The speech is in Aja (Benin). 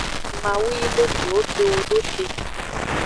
Mawu yi le miwogbewo do te.